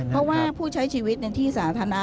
เพราะว่าผู้ใช้ชีวิตในที่สาธารณะ